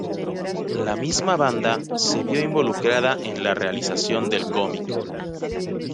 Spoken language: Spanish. La misma banda se vio involucrada en la realización del cómic.